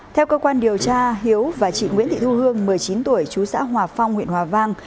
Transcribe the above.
theo cơ quan điều tra hiếu và chị nguyễn thị thu hương một mươi chín tuổi chú xã hòa phong huyện hòa vang